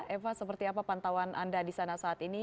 eva seperti apa pantauan anda di sana saat ini